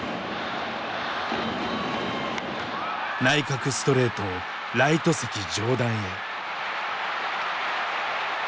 内角ストレートをライト席上段へ。